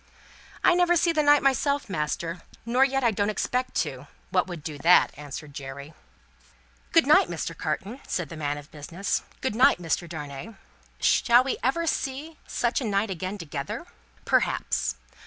"I never see the night myself, master nor yet I don't expect to what would do that," answered Jerry. "Good night, Mr. Carton," said the man of business. "Good night, Mr. Darnay. Shall we ever see such a night again, together!" Perhaps.